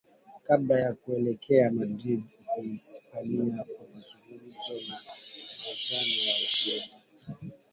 kabla ya kuelekea Madrid Uhispania kwa mazungumzo na wenzao wa ushirika